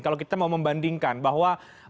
kalau kita mau membandingkan bahwa